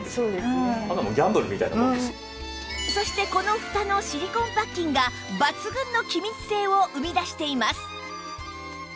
そしてこのふたのシリコンパッキンが抜群の気密性を生み出しています